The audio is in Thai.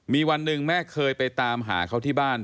มีวันหนึ่งแม่เคยไปตามหาเขาที่บ้าน